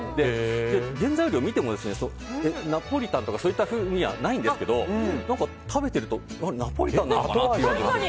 原材料を見てもナポリタンとかそういった風味はないんですけど食べてるとナポリタンの後味が。